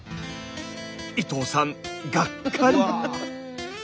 伊藤さんがっかり。